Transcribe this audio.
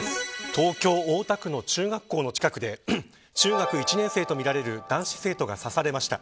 東京、大田区の中学校の近くで中学１年生とみられる男子生徒が刺されました。